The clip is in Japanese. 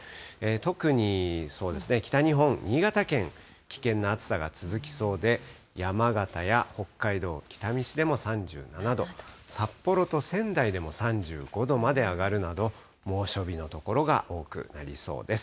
特に北日本、新潟県、危険な暑さが続きそうで、山形や北海道北見市でも３７度、札幌と仙台でも３５度まで上がるなど、猛暑日の所が多くなりそうです。